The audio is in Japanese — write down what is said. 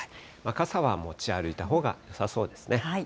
傘は持ち歩いたほうがよさそうですね。